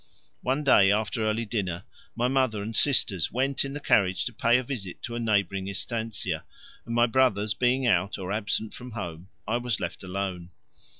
One day after early dinner my mother and sisters went in the carriage to pay a visit to a neighbouring estancia, and my brothers being out or absent from home I was left alone.